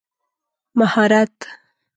مهارت